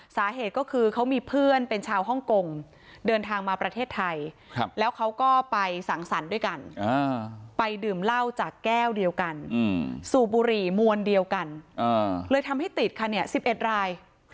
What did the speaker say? สาเหตุก็คือเขามีเพื่อนเป็นชาวฮ่องกงเดินทางมาประเทศไทยแล้วเขาก็ไปสังสรรค์ด้วยกันไปดื่มเหล้าจากแก้วเดียวกันสูบบุหรี่มวลเดียวกันเลยทำให้ติดค่ะเนี่ย๑๑ราย